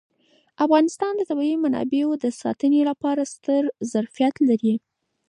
افغانستان د طبیعي منابعو د ساتنې لپاره ستر ظرفیت لري.